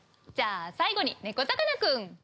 じゃあ最後にねこざかなくん！